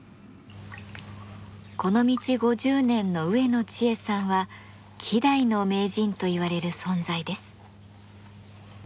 この道５０年の植野知恵さんは希代の名人といわれる存在です。